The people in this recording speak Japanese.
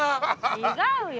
違うよ。